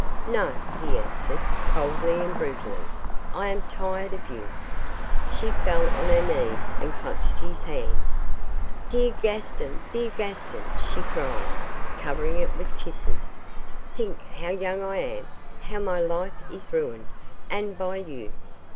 'No,' he answered, coldly and brutally, 'I am tired of you.' She fell on her knees and clutched his hand. 'Dear Gaston! dear Gaston!' she cried, covering it with kisses, 'think how young I am, how my life is ruined, and by you.